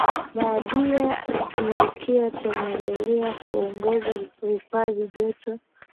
bandia naIkiwa tunaendelea kuongezeka kuhifadhi joto